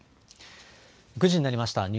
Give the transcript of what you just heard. ９時になりました。